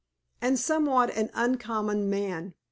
"And somewhat an uncommon man!"